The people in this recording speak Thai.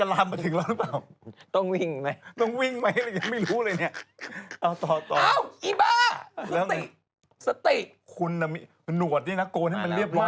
แล้วไงสะติคุณอ่ะมีหนัวตีนนักโกนให้มันเรียบร้อยบ้าง